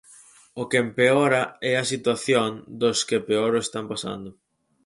O que empeora é a situación dos que peor o están pasando.